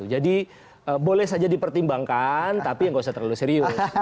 jadi boleh saja dipertimbangkan tapi nggak usah terlalu serius